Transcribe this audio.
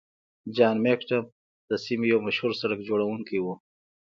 جان مکډم د سیمې یو مشهور سړک جوړونکی و.